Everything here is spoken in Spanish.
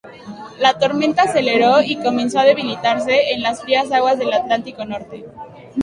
La tormenta aceleró y comenzó a debilitarse en las frías aguas del Atlántico norte.